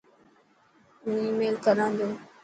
هون آي ميل ڪران تو.